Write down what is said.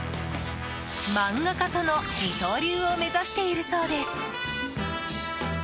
漫画家との二刀流を目指しているそうです。